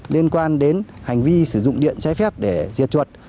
liên quan đến hành vi sử dụng điện trái phép để diệt chuột